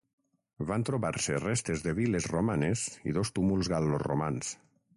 Van trobar-se restes de vil·les romanes i dos túmuls gal·loromans.